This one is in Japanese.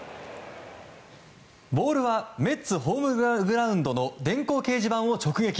ボールはメッツホームグラウンドの電光掲示板を直撃。